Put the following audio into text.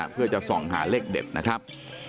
เพื่อจะส่องหาเลขเด็ดนะครับ